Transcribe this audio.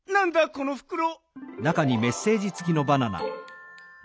このふくろ。